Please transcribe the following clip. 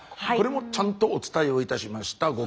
これもちゃんとお伝えをいたしました。